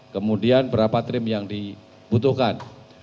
kemudian berapa trim yang dibutuhkan